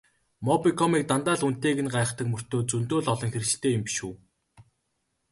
Мобикомыг дандаа л үнэтэйг нь гайхдаг мөртөө зөндөө л олон хэрэглэгчтэй юм биш үү?